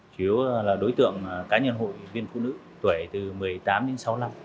chỉ là đối tượng cá nhân hội viên phụ nữ tuổi từ một mươi tám đến sáu mươi năm